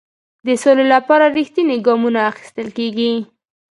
د سولې لپاره رښتیني ګامونه اخیستل کیږي.